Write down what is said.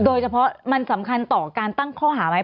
โดยเฉพาะมันสำคัญต่อการตั้งข้อหาไหม